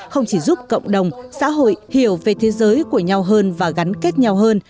không chỉ giúp cộng đồng xã hội hiểu về thế giới của nhau hơn và gắn kết nhau hơn